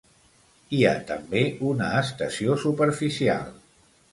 Hi ha també una estació superficial.